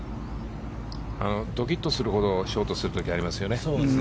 ドキッとするほどショートする時ありますよね。